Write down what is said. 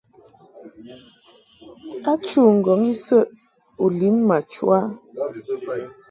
A chû ŋgɔŋ isəʼ u lin ma chu a ?